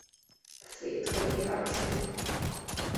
腓特烈二世。